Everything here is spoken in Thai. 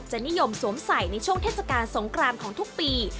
นิยมสวมใส่ในช่วงเทศกาลสงครามของทุกปี